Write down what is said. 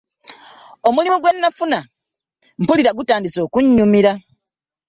Omulimu gwe nafuna mpulira gutandise okunnyumira.